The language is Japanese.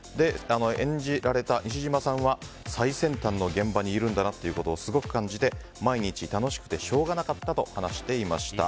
演じられた西島さんは最先端の現場にいるんだなとすごく感じて毎日楽しくてしょうがなかったと話していました。